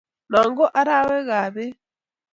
noo ko araweekobek